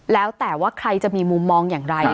แล้วแต่ว่าใครจะมีมุมมองอย่างไร